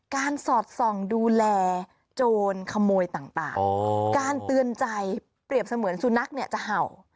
สอดส่องดูแลโจรขโมยต่างการเตือนใจเปรียบเสมือนสุนัขเนี่ยจะเห่า